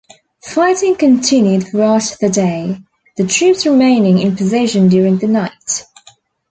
Fighting continued throughout the day, the troops remaining in position during the night.